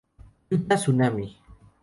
Yuta Tsunami